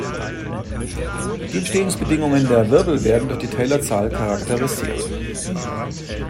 Die Entstehungsbedingungen der Wirbel werden durch die Taylor-Zahl charakterisiert.